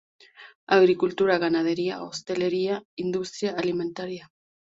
Agricultura, ganadería, hostelería, industria alimentaria.